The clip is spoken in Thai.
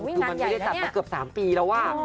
มันไม่ได้จัดมาเกือบ๓ปีแล้วว่ะ